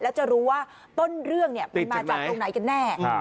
แล้วจะรู้ว่าต้นเรื่องมันมาจากตรงไหนกันแน่